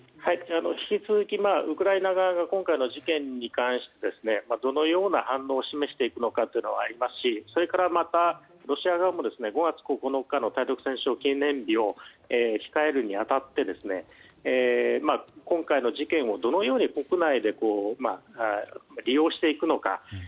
引き続き、ウクライナ側が今回の事件に関してどのような反応を示していくのかというのはありますしそれから、またロシア側も５月９日の対独戦勝記念日を控えるに当たって今回の事件をどのように国内で利用していくのか。